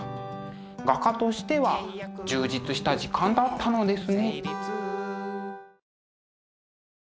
画家としては充実した時間だったのですね。